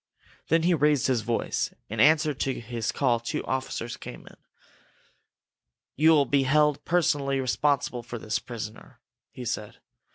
Then he raised his voice. In answer to his call two officers came in. "You will be held personally responsible for this prisoner," he said.